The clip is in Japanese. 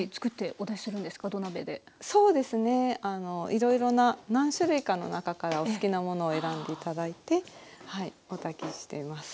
いろいろな何種類かの中からお好きなものを選んで頂いてお炊きしています。